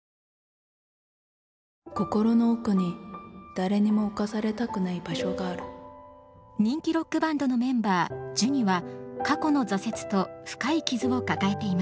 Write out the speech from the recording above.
心の奥に誰にも侵されたくない場所がある人気ロックバンドのメンバージュニは過去の挫折と深い傷を抱えていました。